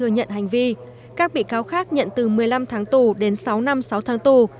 nhận hành vi các bị cáo khác nhận từ một mươi năm tháng tù đến sáu năm sáu tháng tù